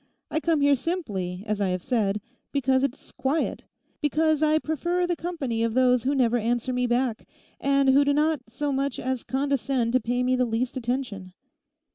I come here simply, as I have said, because it's quiet; because I prefer the company of those who never answer me back, and who do not so much as condescend to pay me the least attention.